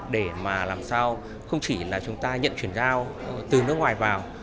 để mà làm sao không chỉ là chúng ta nhận chuyển giao từ nước ngoài vào